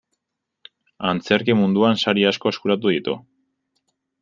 Antzerki munduan sari asko eskuratu ditu.